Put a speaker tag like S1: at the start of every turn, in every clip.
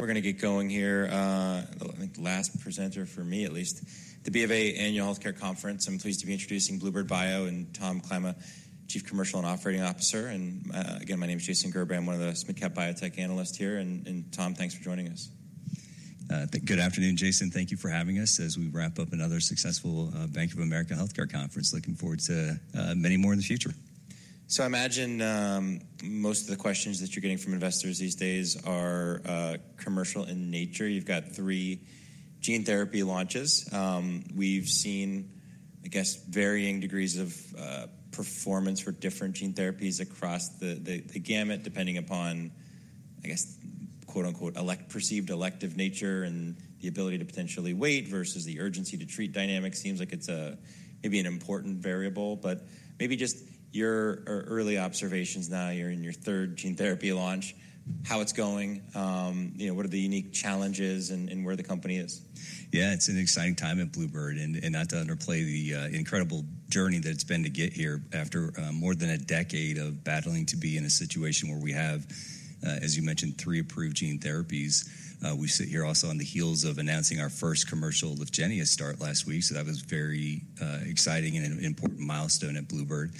S1: We're gonna get going here. The last presenter for me at least, the BofA Annual Healthcare Conference. I'm pleased to be introducing bluebird bio and Tom Klima, Chief Commercial and Operating Officer, and, again, my name is Jason Gerberry. I'm one of the SMID cap biotech analysts here, and Tom, thanks for joining us.
S2: Good afternoon, Jason. Thank you for having us as we wrap up another successful Bank of America Healthcare Conference. Looking forward to many more in the future.
S1: So I imagine most of the questions that you're getting from investors these days are commercial in nature. You've got three gene therapy launches. We've seen, I guess, varying degrees of performance for different gene therapies across the gamut, depending upon, I guess, quote, unquote, "perceived elective nature" and the ability to potentially wait versus the urgency to treat dynamic. Seems like it's maybe an important variable, but maybe just your early observations now you're in your third gene therapy launch, how it's going, you know, what are the unique challenges and where the company is?
S2: Yeah, it's an exciting time at bluebird, and not to underplay the incredible journey that it's been to get here after more than a decade of battling to be in a situation where we have, as you mentioned, three approved gene therapies. We sit here also on the heels of announcing our first commercial LYFGENIA start last week, so that was very exciting and an important milestone at bluebird.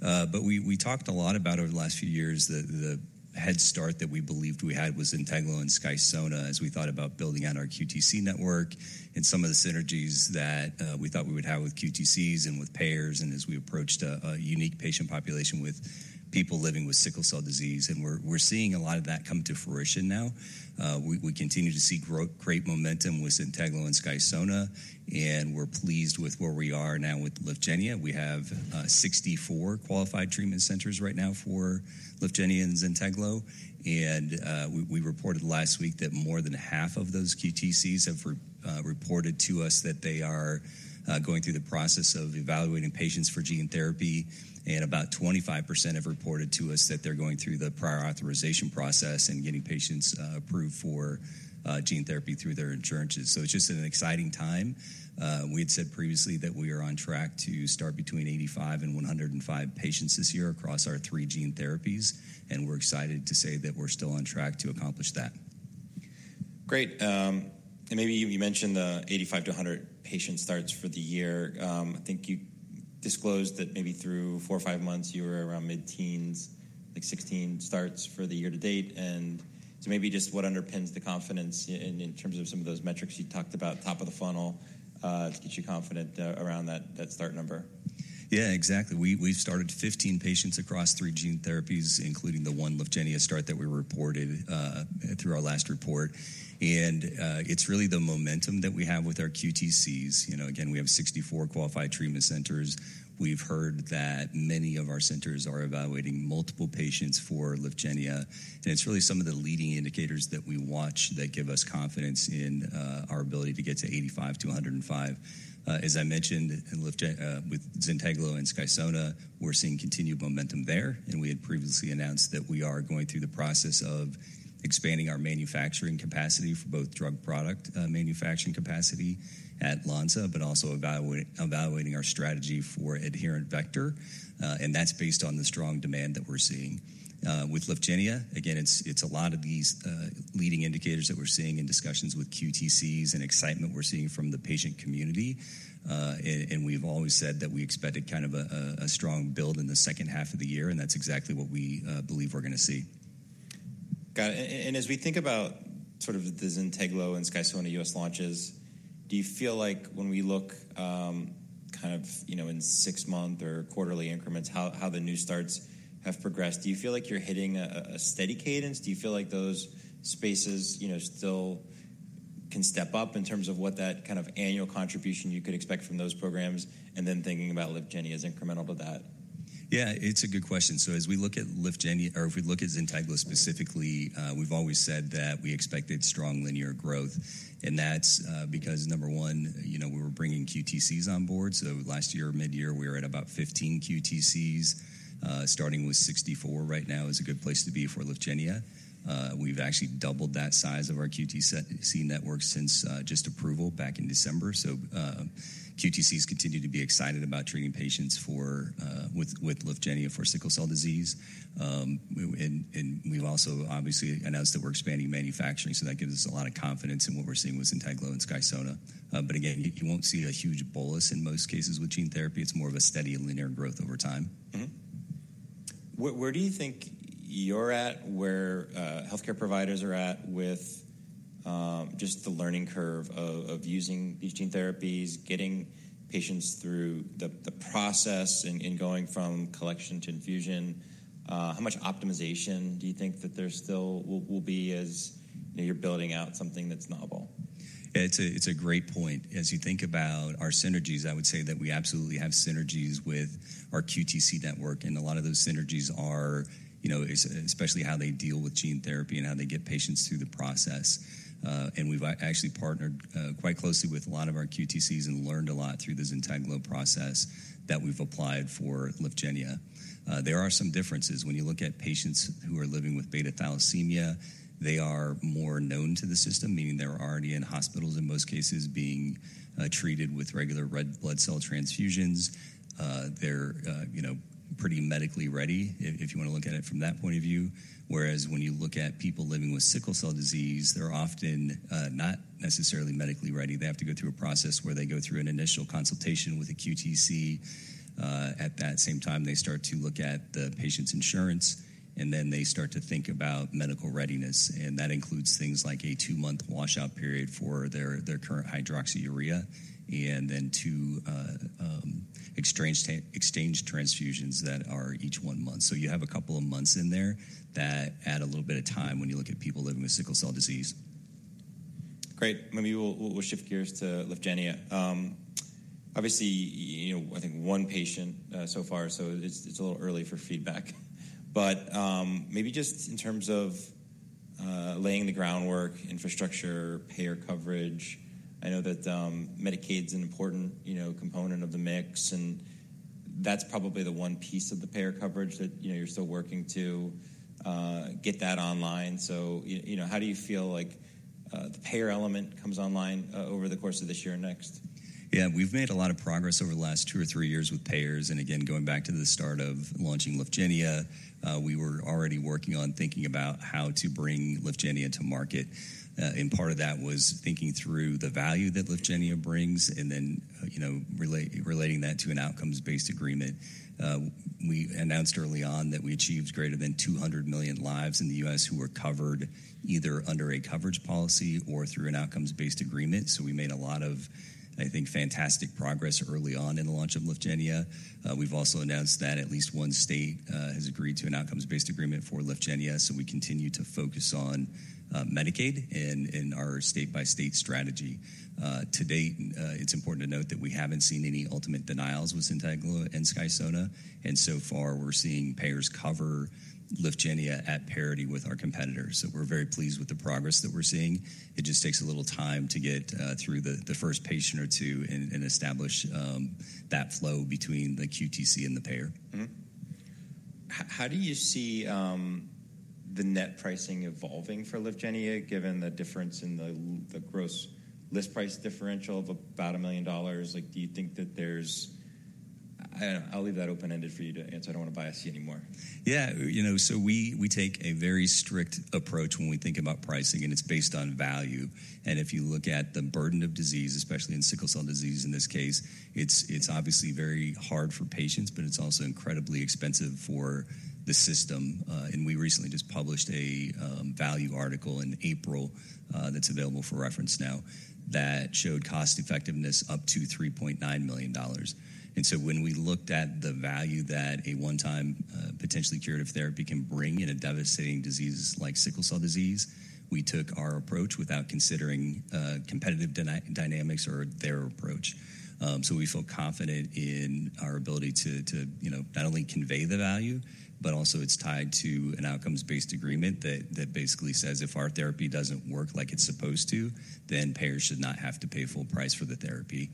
S2: But we talked a lot about over the last few years, the head start that we believed we had with Zynteglo and Skysona, as we thought about building out our QTC network and some of the synergies that we thought we would have with QTCs and with payers, and as we approached a unique patient population with people living with sickle cell disease, and we're seeing a lot of that come to fruition now. We continue to see great momentum with Zynteglo and Skysona, and we're pleased with where we are now with LYFGENIA. We have 64 Qualified Treatment Centers right now for LYFGENIA and Zynteglo, and we reported last week that more than half of those QTCs have reported to us that they are going through the process of evaluating patients for gene therapy, and about 25% have reported to us that they're going through the prior authorization process and getting patients approved for gene therapy through their insurances. So it's just an exciting time. We had said previously that we are on track to start between 85 and 105 patients this year across our three gene therapies, and we're excited to say that we're still on track to accomplish that.
S1: Great. And maybe you mentioned the 85-100 patient starts for the year. I think you disclosed that maybe through four or five months you were around mid-teens, like 16 starts for the year to date, and so maybe just what underpins the confidence in terms of some of those metrics you talked about, top of the funnel, to get you confident around that, that start number.
S2: Yeah, exactly. We, we've started 15 patients across three gene therapies, including the one LYFGENIA start that we reported through our last report. And it's really the momentum that we have with our QTCs. You know, again, we have 64 qualified treatment centers. We've heard that many of our centers are evaluating multiple patients for LYFGENIA, and it's really some of the leading indicators that we watch that give us confidence in our ability to get to 85-105. As I mentioned, with Zynteglo and Skysona, we're seeing continued momentum there, and we had previously announced that we are going through the process of expanding our manufacturing capacity for both drug product manufacturing capacity at Lonza, but also evaluating our strategy for adherent vector, and that's based on the strong demand that we're seeing. With LYFGENIA, again, it's a lot of these leading indicators that we're seeing in discussions with QTCs and excitement we're seeing from the patient community. And we've always said that we expected kind of a strong build in the second half of the year, and that's exactly what we believe we're gonna see.
S1: Got it. And as we think about sort of the Zynteglo and Skysona U.S. launches, do you feel like when we look, kind of, you know, in six-month or quarterly increments, how the new starts have progressed? Do you feel like you're hitting a steady cadence? Do you feel like those spaces, you know, still can step up in terms of what that kind of annual contribution you could expect from those programs, and then thinking about LYFGENIA as incremental to that?
S2: Yeah, it's a good question. So as we look at LYFGENIA, or if we look at Zynteglo specifically, we've always said that we expected strong linear growth, and that's because, number one, you know, we were bringing QTCs on board. So last year, mid-year, we were at about 15 QTCs. Starting with 64 right now is a good place to be for LYFGENIA. We've actually doubled that size of our QTC network since just approval back in December, so QTCs continue to be excited about treating patients for with LYFGENIA for sickle cell disease. And we've also obviously announced that we're expanding manufacturing, so that gives us a lot of confidence in what we're seeing with Zynteglo and Skysona. But again, you won't see a huge bolus in most cases with gene therapy. It's more of a steady linear growth over time.
S1: Mm-hmm. Where do you think you're at, where healthcare providers are at with just the learning curve of using these gene therapies, getting patients through the process and going from collection to infusion? How much optimization do you think that there still will be as, you know, you're building out something that's novel?
S2: It's a great point. As you think about our synergies, I would say that we absolutely have synergies with our QTC network, and a lot of those synergies are, you know, especially how they deal with gene therapy and how they get patients through the process. And we've actually partnered quite closely with a lot of our QTCs and learned a lot through the Zynteglo process that we've applied for LYFGENIA. There are some differences. When you look at patients who are living with beta thalassemia, they are more known to the system, meaning they were already in hospitals, in most cases, being treated with regular red blood cell transfusions. They're you know pretty medically ready, if you want to look at it from that point of view. Whereas when you look at people living with sickle cell disease, they're often not necessarily medically ready. They have to go through a process where they go through an initial consultation with a QTC. At that same time, they start to look at the patient's insurance, and then they start to think about medical readiness, and that includes things like a two-month washout period for their current hydroxyurea, and then two exchange transfusions that are each one month. So you have a couple of months in there that add a little bit of time when you look at people living with sickle cell disease.
S1: Great. Maybe we'll shift gears to LYFGENIA. Obviously, you know, I think one patient so far, so it's a little early for feedback. But maybe just in terms of laying the groundwork, infrastructure, payer coverage, I know that Medicaid's an important, you know, component of the mix, and that's probably the one piece of the payer coverage that, you know, you're still working to get that online. So you know, how do you feel like the payer element comes online over the course of this year and next?
S2: Yeah, we've made a lot of progress over the last two or three years with payers. Again, going back to the start of launching LYFGENIA, we were already working on thinking about how to bring LYFGENIA to market. And part of that was thinking through the value that LYFGENIA brings and then, you know, relating that to an outcomes-based agreement. We announced early on that we achieved greater than 200 million lives in the U.S. who were covered either under a coverage policy or through an outcomes-based agreement. So we made a lot of, I think, fantastic progress early on in the launch of LYFGENIA. We've also announced that at least one state has agreed to an outcomes-based agreement for LYFGENIA, so we continue to focus on Medicaid in our state-by-state strategy. To date, it's important to note that we haven't seen any ultimate denials with Zynteglo and Skysona, and so far, we're seeing payers cover LYFGENIA at parity with our competitors. So we're very pleased with the progress that we're seeing. It just takes a little time to get through the first patient or two and establish that flow between the QTC and the payer.
S1: Mm-hmm. How do you see the net pricing evolving for LYFGENIA, given the difference in the gross list price differential of about $1 million? Like, do you think that there's... I'll leave that open-ended for you to answer. I don't want to bias you anymore.
S2: Yeah. You know, so we take a very strict approach when we think about pricing, and it's based on value. If you look at the burden of disease, especially in sickle cell disease, in this case, it's obviously very hard for patients, but it's also incredibly expensive for the system. We recently just published a value article in April that's available for reference now, that showed cost effectiveness up to $3.9 million. When we looked at the value that a one-time potentially curative therapy can bring in a devastating disease like sickle cell disease, we took our approach without considering competitive dynamics or their approach. So we feel confident in our ability to, you know, not only convey the value, but also it's tied to an outcomes-based agreement that basically says if our therapy doesn't work like it's supposed to, then payers should not have to pay full price for the therapy.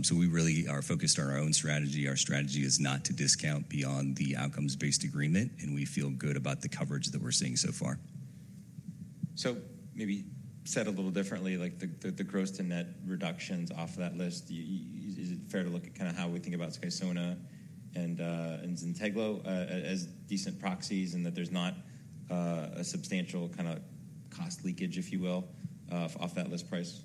S2: So we really are focused on our own strategy. Our strategy is not to discount beyond the outcomes-based agreement, and we feel good about the coverage that we're seeing so far.
S1: So maybe said a little differently, like the gross to net reductions off of that list, is it fair to look at kinda how we think about Skysona and Zynteglo as decent proxies and that there's not a substantial kinda cost leakage, if you will, off that list price?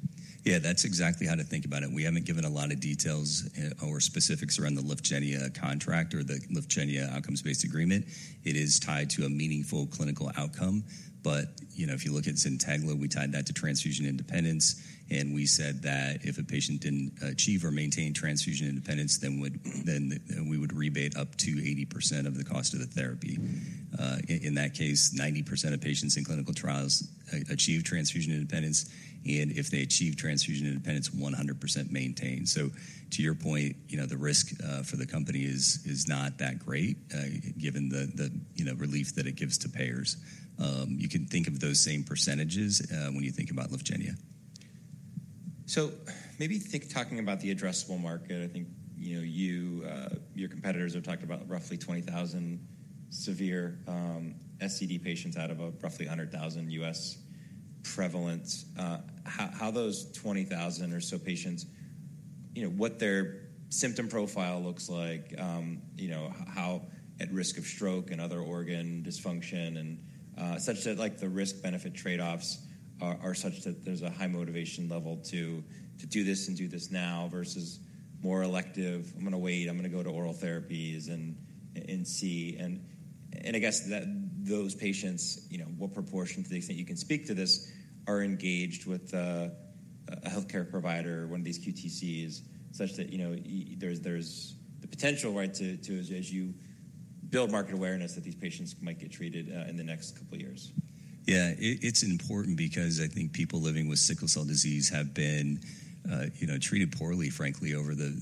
S2: Yeah, that's exactly how to think about it. We haven't given a lot of details or specifics around the LYFGENIA contract or the LYFGENIA outcomes-based agreement. It is tied to a meaningful clinical outcome, but, you know, if you look at Zynteglo, we tied that to transfusion independence, and we said that if a patient didn't achieve or maintain transfusion independence, then we would rebate up to 80% of the cost of the therapy.
S1: Mm-hmm.
S2: In that case, 90% of patients in clinical trials achieve transfusion independence, and if they achieve transfusion independence, 100% maintain. So to your point, you know, the risk for the company is not that great, given the relief that it gives to payers. You can think of those same percentages when you think about LYFGENIA.
S1: So maybe think talking about the addressable market, I think, you know, you, your competitors have talked about roughly 20,000 severe SCD patients out of a roughly 100,000 U.S. prevalence. How those 20,000 or so patients, you know, what their symptom profile looks like, you know, how at risk of stroke and other organ dysfunction and such that, like, the risk-benefit trade-offs are such that there's a high motivation level to do this and do this now versus more elective, "I'm gonna wait. I'm gonna go to oral therapies and, and see." And I guess that those patients, you know, what proportion, to the extent you can speak to this, are engaged with a healthcare provider, one of these QTCs, such that, you know, there's the potential right, to, as you build market awareness, that these patients might get treated in the next couple of years?...
S2: Yeah, it's important because I think people living with sickle cell disease have been, you know, treated poorly, frankly, over the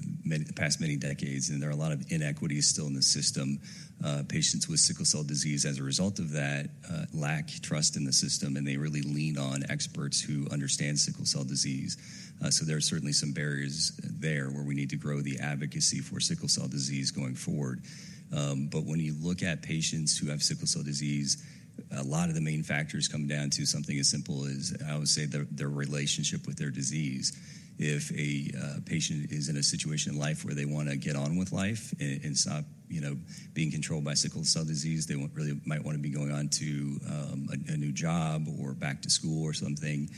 S2: past many decades, and there are a lot of inequities still in the system. Patients with sickle cell disease, as a result of that, lack trust in the system, and they really lean on experts who understand sickle cell disease. So there are certainly some barriers there where we need to grow the advocacy for sickle cell disease going forward. But when you look at patients who have sickle cell disease, a lot of the main factors come down to something as simple as, I would say, their relationship with their disease. If a patient is in a situation in life where they wanna get on with life and stop, you know, being controlled by sickle cell disease, they really might wanna be going on to a new job or back to school or something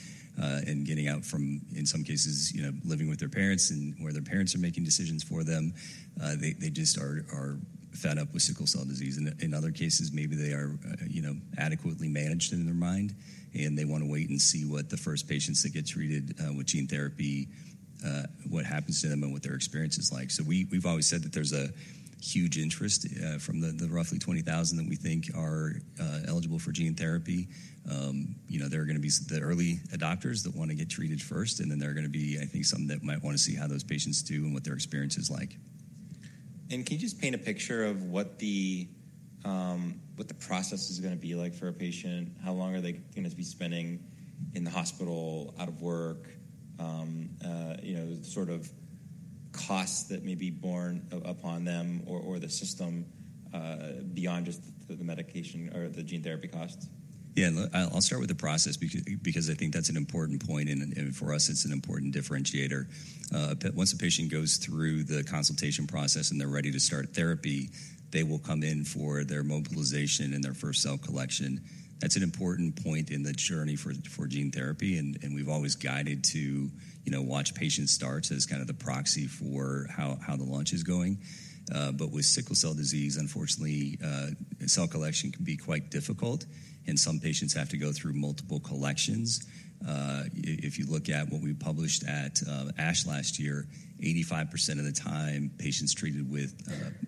S2: and getting out from, in some cases, you know, living with their parents and where their parents are making decisions for them. They just are fed up with sickle cell disease. In other cases, maybe they are, you know, adequately managed in their mind, and they wanna wait and see what the first patients that gets treated with gene therapy what happens to them and what their experience is like. So we've always said that there's a huge interest from the roughly 20,000 that we think are eligible for gene therapy. You know, there are gonna be the early adopters that wanna get treated first, and then there are gonna be, I think, some that might wanna see how those patients do and what their experience is like.
S1: Can you just paint a picture of what the process is gonna be like for a patient? How long are they gonna be spending in the hospital, out of work, you know, the sort of costs that may be borne upon them or the system, beyond just the medication or the gene therapy costs?
S2: Yeah, I'll start with the process because I think that's an important point, and for us, it's an important differentiator. But once a patient goes through the consultation process and they're ready to start therapy, they will come in for their mobilization and their first cell collection. That's an important point in the journey for gene therapy, and we've always guided to, you know, watch patient starts as kind of the proxy for how the launch is going. But with sickle cell disease, unfortunately, cell collection can be quite difficult, and some patients have to go through multiple collections. If you look at what we published at ASH last year, 85% of the time, patients treated with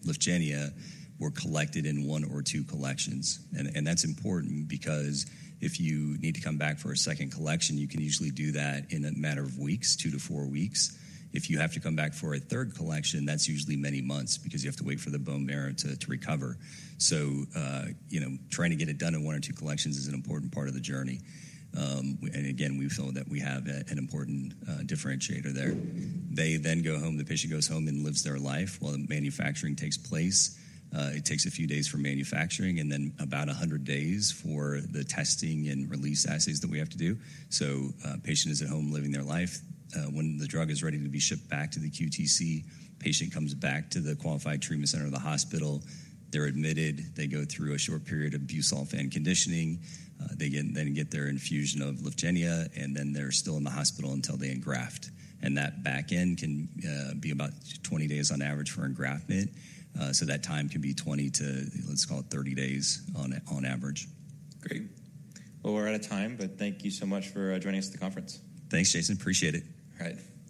S2: LYFGENIA were collected in one or two collections. That's important because if you need to come back for a second collection, you can usually do that in a matter of weeks, two to four weeks. If you have to come back for a third collection, that's usually many months because you have to wait for the bone marrow to recover. So, you know, trying to get it done in one or two collections is an important part of the journey. And again, we feel that we have an important differentiator there. They then go home, the patient goes home and lives their life while the manufacturing takes place. It takes a few days for manufacturing and then about 100 days for the testing and release assays that we have to do. So a patient is at home living their life. When the drug is ready to be shipped back to the QTC, patient comes back to the Qualified Treatment Center or the hospital. They're admitted, they go through a short period of busulfan conditioning, they get, then get their infusion of LYFGENIA, and then they're still in the hospital until they engraft. And that back end can be about 20 days on average for engraftment, so that time can be 20 to, let's call it 30 days on average.
S1: Great. Well, we're out of time, but thank you so much for joining us at the conference.
S2: Thanks, Jason. Appreciate it.
S1: All right.